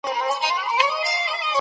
نوی نسل بايد د فکري سرچينو په لټه کي سي.